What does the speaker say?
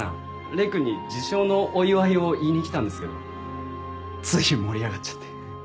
礼くんに受賞のお祝いを言いに来たんですけどつい盛り上がっちゃって。